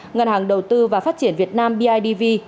ngân hàng đầu tư và phát triển việt nam bidv